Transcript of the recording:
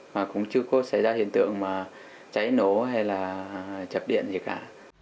mà cũng chưa có xảy ra hiện tượng mà cháy nổ hay là chập điện gì cả